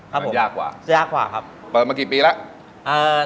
ครับผมยากกว่ายากกว่าครับเปิดมากี่ปีแล้วอ่า